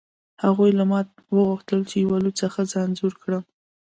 هغوی له ما وغوښتل چې یوه لوڅه ښځه انځور کړم